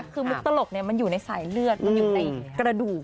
คือมุกตลกมันอยู่ในสายเลือดมันอยู่ในกระดูก